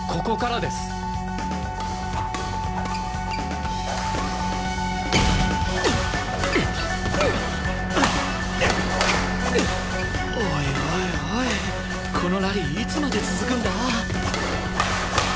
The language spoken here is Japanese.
このラリーいつまで続くんだ？